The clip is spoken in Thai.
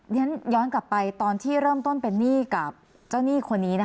อย่างนั้นย้อนกลับไปตอนที่เริ่มต้นเป็นนี่กับเจ้าหนี้คนนี้นะคะ